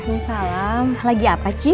ya kang idoi